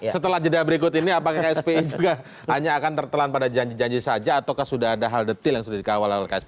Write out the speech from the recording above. setelah jeda berikut ini apakah kspi juga hanya akan tertelan pada janji janji saja ataukah sudah ada hal detil yang sudah dikawal oleh ksp